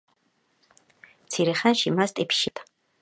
მცირე ხანში მას ტიფი შეეყარა და ლოგინად ჩავარდა.